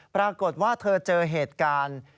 ปรากฏว่าเธอเจอเหตุการณ์